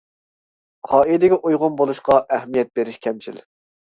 قائىدىگە ئۇيغۇن بولۇشقا ئەھمىيەت بېرىش كەمچىل.